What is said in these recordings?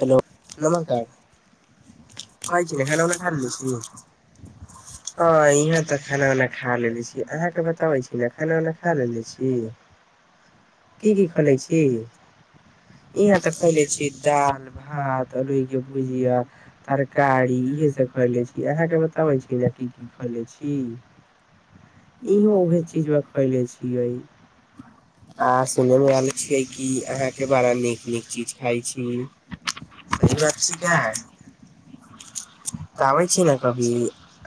Hello नमस्कार, कहै छी ने खाना खा छी, हँ इहाँ तऽ खाना खा छी अहाँके बताबै छी ने खाना खा लने छी, की की खे छी इह त खले छी। चार भात उलोइके भुजिया तरकारी इहे सब खैले छी अहाँके बताबै छी ने की की खैले छी इहो ओहे चीजमे खैले छियै आ सुनैमे आयल छियै कि अहाँके बारा नीक नीक चीज खाइ छी। ज वी क्य है लाबै छी न कभी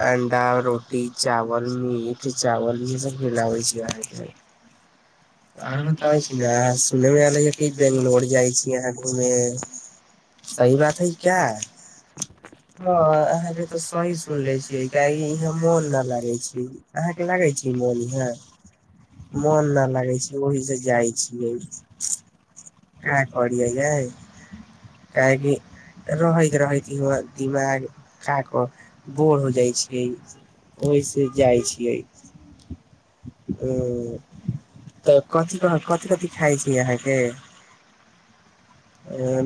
अंडा, रोटी, चावल, मीठ, चावल ह स लवै छी आर। आओरो बताबै छी ने अहाँ सुनयमे आलै ह कि बेंगलोर जाय छी अहाँ घूमे, सही बात हइ क्या। हँ अहाँ के तो सही सुनले छीियै काह इहें मन न लागे छै अहााँ के लागे छी मन इहा मन न लागे छै। ओहि से जाइ छियै। क करियै यै काहेकि रहैत रहैत ह दिमाग क कऽ बोर हो जाइ छियै ओहिसँ जाइ छियै ह। तऽ कथि कह कथिी कथि खाइ छी अहाँके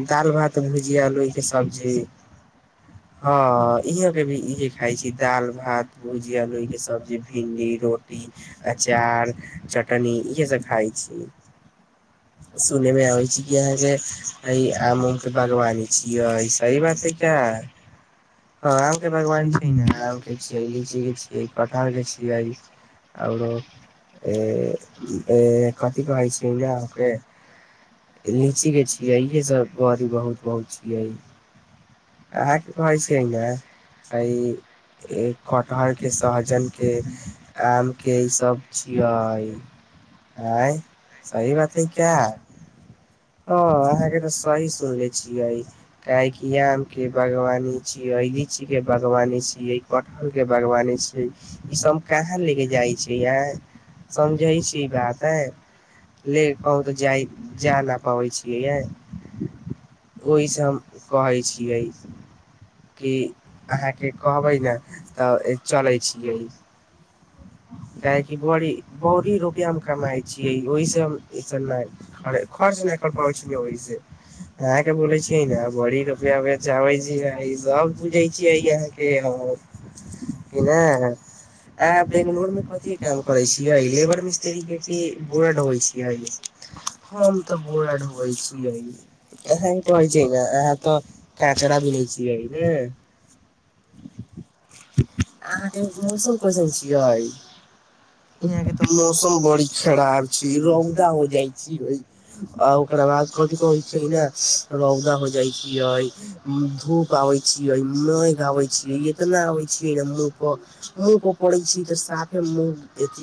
दालि भात भुजिया लोइके सब्जी हँ इहके भी इह खाइ छी दालि भात भुजिया लोइके सब्जी भिंडी रोटी अचार चटनी इहेसभ खाइ छी सुनैमे आबै छै कि यहाँ से ह आम के बागवानी छियै सही बात है क्या ह आम के बागवानी आम के छिय लीची के छियै कठहर के छियै आओरो कथिी कहै छ ने अ के लीची ग छी यह सब गुआरीी बहुत बहुत छिय य। अहाँके कहै छियै ने कठहर के सहजन के आम के ई सब छियै आ सही बात है क्या। हँ अहाँके तऽ सही सुनले छियै काहेकि आमके बागवानी छियै लीचीके बागवानी छियै कठहलके बागवानी छियै ईस कहाँ लेके जाइ छियै आय समझै छी ई बात आ ले ह तऽ जाइ जा ने ओहिसँ हम कहै छियै कि अहाँके कहबै ने तऽ चै छियै। काहेकि बड़ी बड़ी रुपआ हम कमाइ छीियै ओहि से हम ईस नहि खर्च नहि कर पाबै छै ओहिसँ अहाँके बोलै छै ने बड़ी रुपैआप जााबै छै सब बुझै छियै अहाँके कि नहि आ बंगलोर मे कथी काम करे छिय लेबर मिस्त्री के बोरा ढोल छै। तऽ बोला ब छीिय अह त होइ छै अहाँ तऽ कचड़ भने छिय ने। अहााँ के मौसम कइसन छी। मौसम बड़ी खराब छै रौदा हो जाइ छैियै आ ओकरा बाद कथिी कहै छै ने रौदा हो जाइ छियै धूप आबै छियै नगबै छियै इतना आब छै। जक मुक साफे मुँह अथ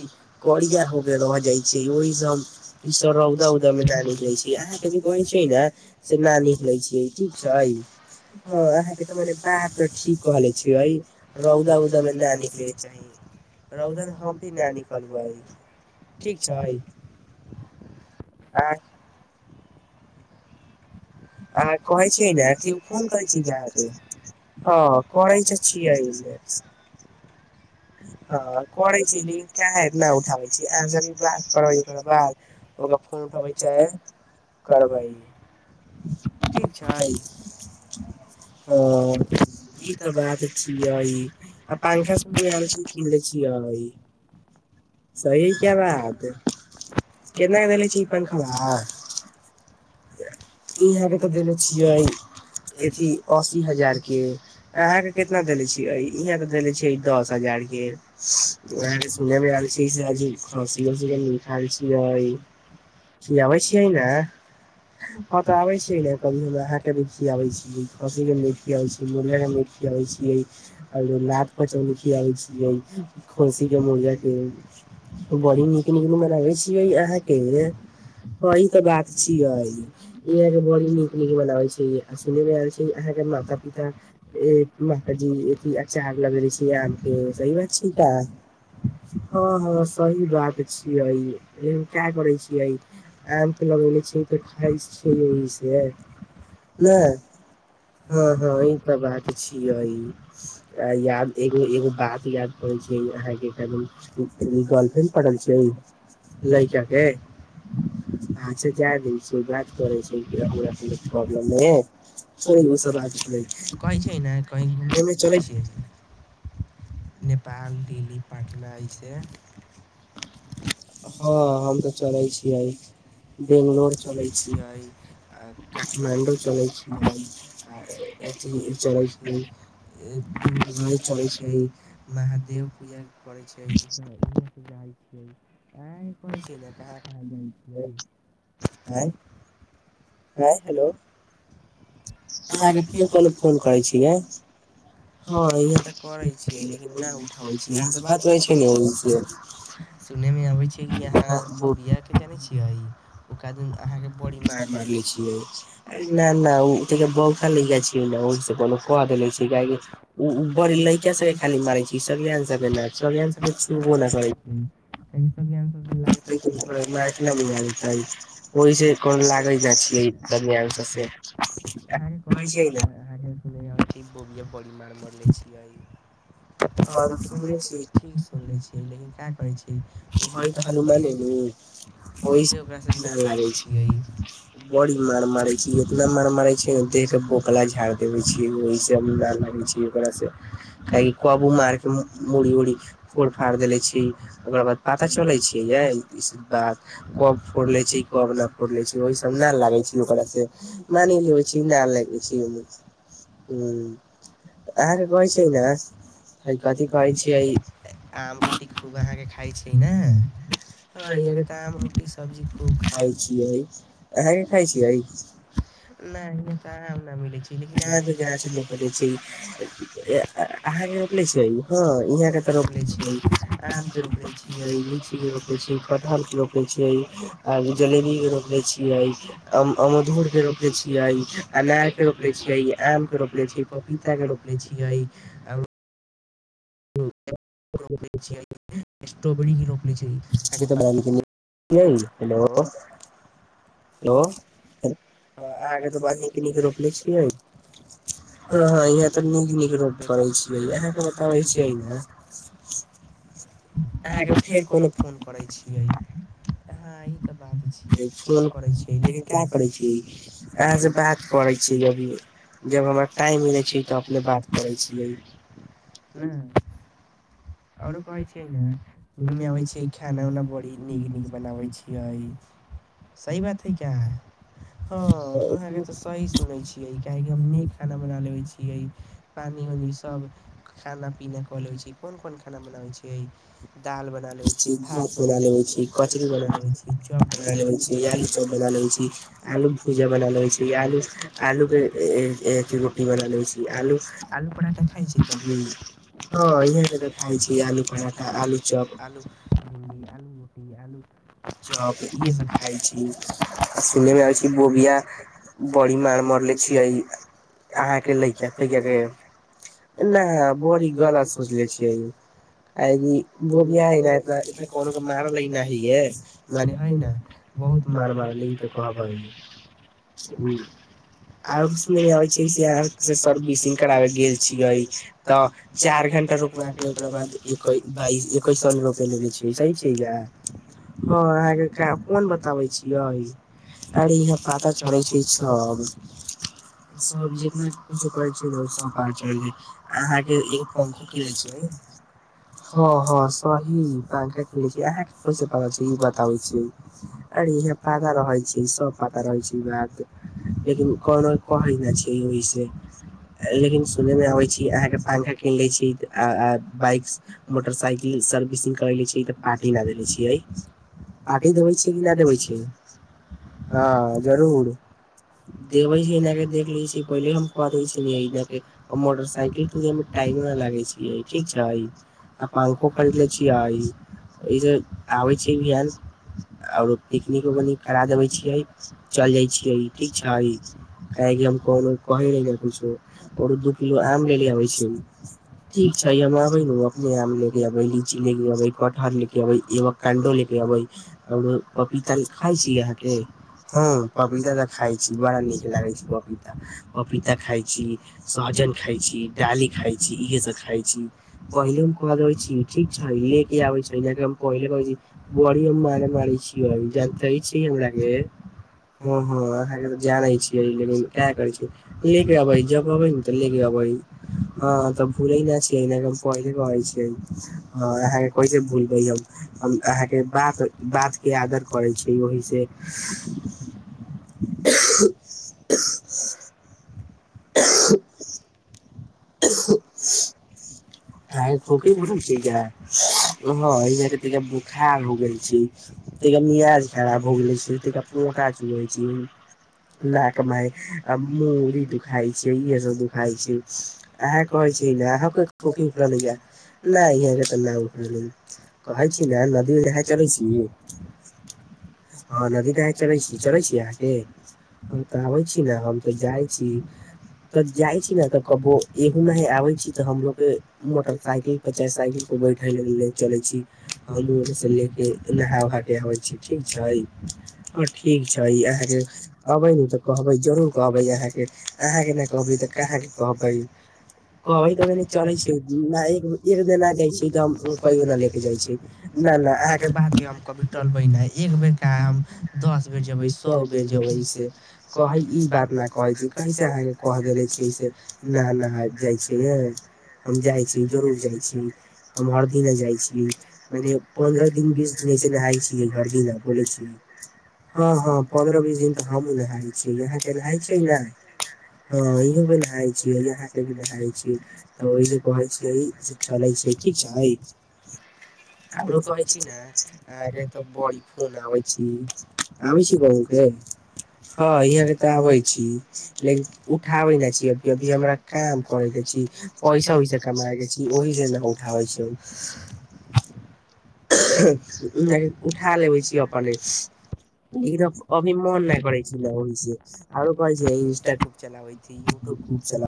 कोिया हो के रह जाइत छै ओहिसँ ईसभ रौदा उदा मे न निकलैत छै अहाँके भी कहै छै ने से न निकलैत छै ठीक छै हँ अहाँके तऽ मने बात तऽ ठीक कह ले छिय। र उददा उद मने आनिक। रौद हम भी नहि निकलबैइ ठीक छ। आ आ कहै छै ने कोन कहै छी जाँे ह करै छीिय हँ करै छी लेकिन काह नहि उठाबै छी अहाँसँभी बात करब ओककर बाद ओकररा फोन उठबै चाहे करबै ठीक छै। ओ ई तऽ बातऽ छीयै आ पंखा। ने छियै सही क्या बात, केना देले छियै पंखबा ई अहाँके त देले छियै अथी। अस्सी हजार के, अहाँ के केितना देले छी इहाँ ते देले छै। दस हजार के वहाँ के सुने मे आयल छी, हँसी- उसी मिठाई छियै, खियाबै छियै ने ह तऽ आबे छै कभी हम अहाँ क भी खियाबै छी। पसी केीिया होइ छै मुर् केिया होइ छैर न चौ खियाबे छीियै खसी के मुर्गा के बड़ी नीक नीक मनावे छीिय यहा के ह ई त बात छीिय इ यहा के बड़ी नीक नीक मनावे छी सुने मे आ छै। अहाँके माता पिता माताजी च आग लगे रह छै। आम के सी बात छै त हँ हँ सही बात छियै क्य करै छियै आम के लगेे छियै त खा छियै से ने हँ हँ ई तऽ बात छियै याद। एगो बात याद करे छै अहाँ गर्लफ्रेंड पड़ल छै, लड़का के अच्छा जाय दै छै याद करे छै हमरा कोनो प्राँब्लम नहि अइ। छोड़ ओसभ बात छोड़ै, कहै छै ने कही घूमेमे चलै छियै। नेपाल, दिल्ली, पट नइ से। हँ हम तऽ चलै छियै, बेंगलोर चलै छियै, आ काठमाण्डू चलै छियै। आ अथी चरै छियै, दूर गाय चरै छैय, महादेव पूजा करैत छैय। ह। आ कोई छी, जाइ छियै। आँय। हँ, हेलो। अहाँके के कहलौं कोनो फोन करै छीयै। हँ इहै तऽ करैत छियै लेकिन नहि उठाबै छै, अहाँ से बात छै ने ओहिसँ, सुनैमें अबैत छैय कि अहाँ बोबियाकके जानै छियै। ओक दिन अहाँके। बड़ी मारि मारिलै छियै, अरे ना नहि ओ। बौखा लड़का छै ओहि कोनो कह देेने छै, ऊ लड़का सबके खाली मारै छै, सलियान सब के नइ सलियान सबके छुबो नइ करै छै, काहि ल तऽ सलियन सब के लागतै ओकरा मारके मंगा देतै ओहिसँ। कोन लागै जाय छियै स। अहाँ कह छै ने, अहाँक सुनै। बड़ी मार- मारलै छियै। हँ तऽ सुन ले छियै ठीक सुन ले छियै, लेकिन क्या करैत छै, ओ हइ तऽ हनुमानेनु ओहिसँ ओकरासँ न लागै छियै बड़ी मार- मारै छी, इतना मार। मारै छियै ना देह के बोकला झाड़ देबै छीयै ओहि से हम ना लागै छी ओकरा से काहेकी कब ऊ मार के म मूड़ी उड़ी फोड़ फाड़ देले छै ओकरा बाद पता चलै छै यइ ई सब बात कब फोड़ ले छै कब ना फोड़ले छै ओहि से हम ना लागै छी ओकरासे मानि लेबै छी नालगबैछीयै मुंह हूं अहाॅंके कहै छै ना है कथि कहै छियै आम रोटी खूब अहाँके खाइ छियै ने। हँ, यहाँके तऽ आम रोटी सब्जी खूब खाइ छियै, अहाँके खाइ छियै। नहि, हमें कहाम न मिलै छै। लेकिन आम के गाछ रोपले छी, अहाँके रोपने छीयै, हाँ यहाँ तऽ रोपने छीयै, आम के रोपने छियै, लीची के रोपने छियै, कटहल के रोपने छीयै, जलेबी के रोपने छीयै, अम अमधुर। के रोपले छियै अनार के रोप पले छियै आम के रोपले छियै, पपीता के रोपले छियै। रोपले छियै, स्ट्राबेरी के रोपले छियै अहाँके तऽ बडा नीक नीक रोपले छियै। हेलो हेलो अहाॅंके तऽ बडा नीक नीक रोपले छियै। हं हं इहाँ तऽ नीक नीक रोपबे कल छियै अहाँके बताबै छी छै ने अहाँके फेर कोनो फोन करै छियै अहाँ ई तऽ बात छियै फोन करै छियै लेकिन क्या करै छियै अहाँसँ बात करै छियै अभी जब हमरा टाइम मिलै छै तऽ अपने बात करै छियै। ने आओरो कहै छियै ना सुने मे आबे छियै खाना उना बड़ी नीक नीक बनाबै छियै सही बात हइ क्या हँ अहाँके तऽ सही सुनै छियै काहेकि हम नीक खाना बना लेबै छियै पानि उनि सभ [unintelligible] खाना बनाबै छियै दाल बना लेबै छियै भात बना लेबै छीयै कचरी बना लेबै छियै चॉप बना लेबै छियै आलू चॉप बना लेबै छी आलू भुजा बना लेबै छियै आलू आलूके ए ए एथी रोटी बना लेै छीयै आलू आलू पराठा खाइ छी कभी ह ईहां त दे खाइ छी आलू पराठा आलू चॉप आलू भिण्डी आलू रोटी आलू चॉप इहे सब खाइ छी आ सुनैमे आबै छै बोबिआ बड़ी मार मारले छियै अहाँके लैका फैका के ना बड़ी गलत सोचले छियै काहेकि बोबिया हैना इतना इतना कोनोके मारलै नाहिये मने है ना बहुत मार मारलै तऽ कहबै ओ आरोत सुने मे आबै छीयै से अहाॅं सर्विसिंग कराबे गेल छियै। तऽ चार घंटा रुकवा के ओकरा बाद एकैस बाई एकैस रोपे लगे छै सही छै या ह अहाँके कोन बताबे छिय अरे ईहाँ पाता चलै छै सब सब जेितना कुछो करै छै सब पता चल जाई अहाँके एगो पंखो कीनले छै हॅं हँ सही पांखा किनले छियै अहाँके कैसे पता छै ई बताबै छी अरे इहाँ पाता रहै छै सब पाता रहै छै ई बात लेकिन कोनो कहै नहि छै ओहिसे लेकिन सुने मे अबै छै ई अहाँके पंखा कीन ले छीयै त आ आ बाईक मोटरसाईकिल सर्विसिंग करैले छीयै त पार्टी ना देेले छीयै पार्टी देवे छीयै कि ना देवै छैयै हाॅं जरूर देवे छीयै ना के देख लै छीयै पहिले हम कह देई छीयै ना कि मोटरसाईकिल सइकेल तो जेमे टाम न लागै छै ठ आ पंखो खरीद ले छियै आबे छै भी आरो पिकनिक उकनिक करा देबे छियै चल जाय छीियै ठीक छै काह हम कोनो कहे रह कछो आरो दू किलो आम ले अबै छै ठीक छै हम अबै नु अपने आम लेले अबै लीची लेले अबै कठहर ले के अबै एवोकाडो लेके अबे आऔरो पपीता खाय छी अहाॅं के हॅं पपीता त खााय छी बड़ा नीक लागे छै पपीता पपीता खाय छी सहजन खाई छी। डाली खाई छी इे सब खा पले कह देे छी ठीक छै ले के आबे छै पले कह छी बी मारे मारे छीियै जे छी हमरा के हँ ह अहाँ के जाने छीियै लेकिन क करे छै ले के अबे जब अबे तऽ ले के अबे हँ तऽ भूल ह ने पैे कहै छै अहाँके कैसे भूलबै हम अहाँके बात बात के आदर करै छी ओहि से [unintelligible] [unintelligible] अहके खोखीा बुखार हो गेल छै ता मिियाज खराब हो गेल छै ता पोटा चुब छै नाकमे आ मूड़ी दुखाइत छै इहे सभ दुखाइत छै अहाँ कहैत छी ने अहाँके खै नहिह तऽ नहि उखड़लै कहै छी न नदी नहा चलै छी हँ नदी नह चल छी चलै छी अहाँके हँ तऽ आबै छी ने तऽ जाइ छी तऽ जाइ छी तऽ क एह नब छीऽ हमो इ च [unintelligible] चलै छै नहि एक एक देना दै छी तऽ हम ओ कहियो नहि लऽके जाइ छै नहि नहि अहाँके बातके हम कभी टलबै नहि एक बेरके हम दस बेर जेबै सए बेर जेबै से कहै ई बात नहि कहै छै कैसे अहाँके कहि दनेे छी से नहि नहि जाइ छ ह हम जाइ छियै जरूर जाइ छियै हम हर दिना जाइ छियै मने पन्द्रह दिन बीस दिन अइसे नहाइ छियै हर दिना बोलै छियै हँ हँ पन्द्रह बीस दिन तऽ हमहूँ नहााय छियै यहाँके नहाइ छियै ने हँ यहँपर नहाइ छियै यहाँके भी नहाइ छियै तऽ ओहिसँ कहै छियै से चलै छै ठीक छै आओरो कहै छी ने अहाँके तऽ बड़ी फोन अबै छी आबै छी गाँवके हँ यहाँके तऽ आबै छी लेकिन उठाबै नहि छी अभी हमरा काम करैके छी पैसा क उठाब छी उठ लेे छीने इं